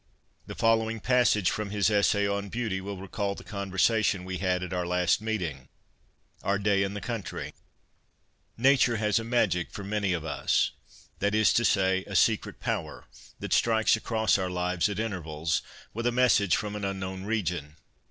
The following passage from his essay on " Beauty " will recall the conversation we had at our last meeting — our day in the country :" Nature has a magic for many of us — that is to say, a secret power that strikes across our lives at intervals, with a message from an unknown region.